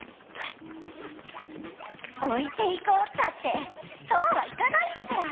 おいていこうったってそうはいかないんだから！